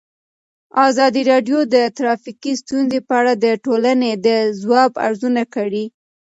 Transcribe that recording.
ازادي راډیو د ټرافیکي ستونزې په اړه د ټولنې د ځواب ارزونه کړې.